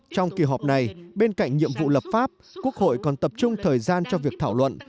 trong kỳ họp này bên cạnh nhiệm vụ lập pháp quốc hội còn tập trung thời gian cho việc thảo luận